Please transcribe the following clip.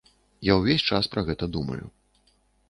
Я ўвесь час пра гэта думаю.